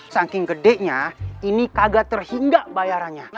saking gedenya ini kagak terhinggak bayarannya